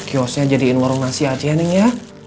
yose jadiin warung nasi aja neng ya